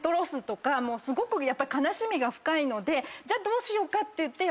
すごく悲しみが深いのでじゃあどうしようかっていって。